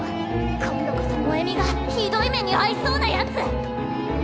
今度こそ萌美がひどい目にあいそうなやつ！